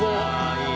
いい。